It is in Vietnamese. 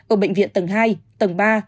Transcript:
ở bệnh viện tầng hai tầng ba